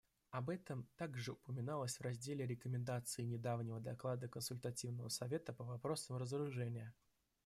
Об этом также упоминалось в разделе рекомендаций недавнего доклада Консультативного совета по вопросам разоружения.